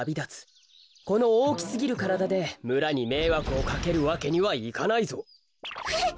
このおおきすぎるからだでむらにめいわくをかけるわけにはいかないぞ。えっ！？